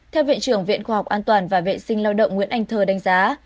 theo viện trưởng viện khoa học an toàn và vệ sinh lao động nguyễn anh thơ đánh giá